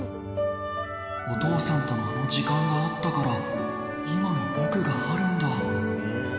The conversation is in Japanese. お父さんとのあの時間があったから、今の僕があるんだ。